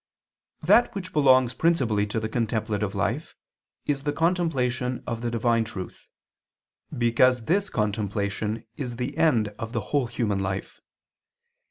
That which belongs principally to the contemplative life is the contemplation of the divine truth, because this contemplation is the end of the whole human life.